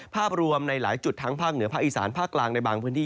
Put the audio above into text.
ภาพรวมในหลายจุดทั้งภาคเหนือภาคอีสานภาคกลางในบางพื้นที่